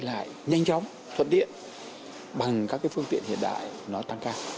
đi lại nhanh chóng thuận tiện bằng các phương tiện hiện đại nó tăng cao